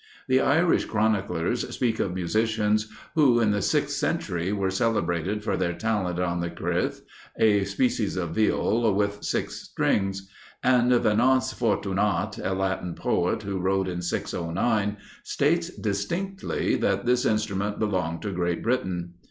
The Irish chroniclers speak of musicians who, in the sixth century, were celebrated for their talent on the Crwth, a species of Viol with six strings; and Venance Fortunat, a Latin poet who wrote in 609, states distinctly that this instrument belonged to Great Britain.